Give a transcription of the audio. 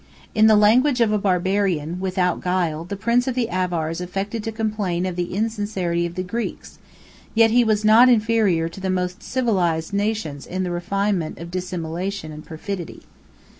In the language of a Barbarian, without guile, the prince of the Avars affected to complain of the insincerity of the Greeks; 26 yet he was not inferior to the most civilized nations in the refinement of dissimulation and perfidy.